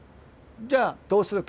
じゃあどうするか。